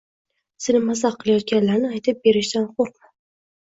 Seni mazax qilayotganlarini aytib berishdan qo‘rqma.